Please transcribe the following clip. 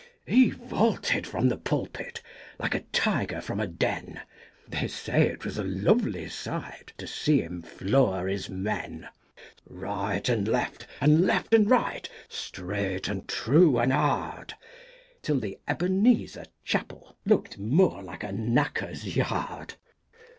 He vaulted from the pulpit like a tiger from a den, They say it was a lovely sight to see him floor his men; Right and left, and left and right, straight and true and hard, Till the Ebenezer Chapel looked more like a knacker's yard.